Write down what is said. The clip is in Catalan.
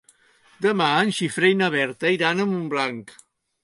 Demà en Guifré i na Berta iran a Montblanc.